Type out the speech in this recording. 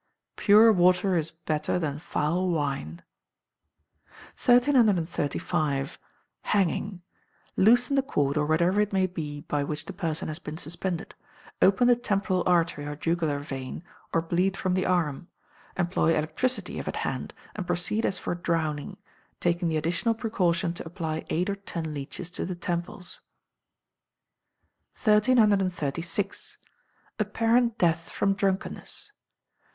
[PURE WATER IS BETTER THAN FOUL WINE.] 1335. Hanging. Loosen the cord, or whatever it may be by which the person has been suspended. Open the temporal artery or jugular vein, or bleed from the arm; employ electricity, if at hand, and proceed as for drowning, taking the additional precaution to apply eight or ten leeches to the temples. 1336. Apparent Death from Drunkenness.